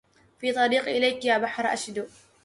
في طريقي إليك يا بحر أشدو